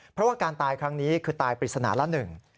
เพราะว่าการตายครั้งนี้คือตายปริศนาละหนึ่ง